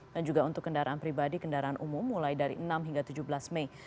dan juga untuk kendaraan pribadi kendaraan umum mulai dari enam hingga tujuh belas mei